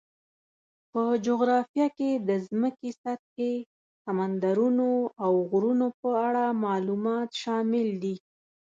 په جغرافیه کې د ځمکې سطحې، سمندرونو، او غرونو په اړه معلومات شامل دي.